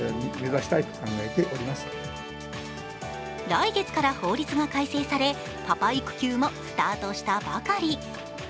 来月から法律が改正されパパ育休もスタートしたばかり。